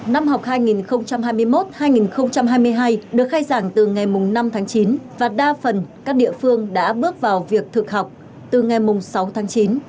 năm học hai nghìn hai mươi một hai nghìn hai mươi hai được khai giảng từ ngày năm tháng chín và đa phần các địa phương đã bước vào việc thực học từ ngày sáu tháng chín